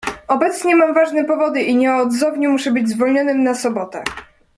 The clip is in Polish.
"Obecnie mam ważne powody i nieodzownie muszę być zwolnionym na sobotę."